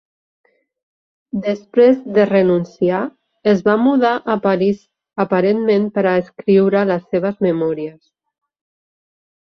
Després de renunciar, es va mudar a París aparentment per a escriure les seves memòries.